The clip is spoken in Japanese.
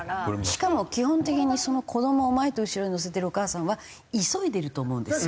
しかも基本的に子どもを前と後ろに乗せてるお母さんは急いでると思うんですよ。